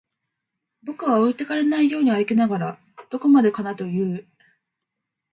僕は置いてかれないように歩きながら、どこまでかなと言う